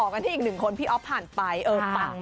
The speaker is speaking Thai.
คุณแก้วจริญญาผู้ทรงอิทธิพนธรรมดิ์ทั้งด้านฟาร์ชึ้นสีผมถูทรนของเธอ